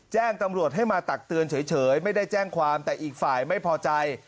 แจ้งตำรวจให้มาตักเตือนเฉยไม่ได้แจ้งความแต่อีกฝ่ายไม่พอใจ